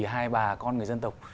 hai bà con người dân tộc